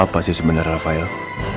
apa sih sebenarnya rafael